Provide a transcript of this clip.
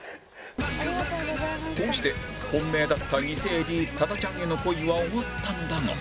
こうして本命だった偽 ＡＤ 多田ちゃんへの恋は終わったんだが